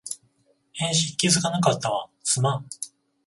返信気づかなかったわ、すまん